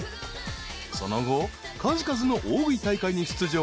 ［その後数々の大食い大会に出場］